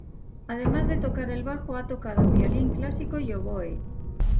Además de tocar el bajo ha tocado violín clásico y oboe.